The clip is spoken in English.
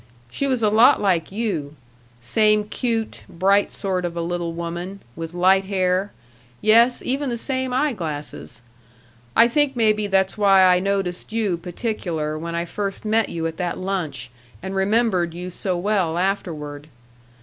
She was a lot like you same cute, bright sort of a little woman, with light hair yes, even the same eye glasses. I think maybe that's why I noticed you particular when I first met you at that lunch and remembered you so well afterward....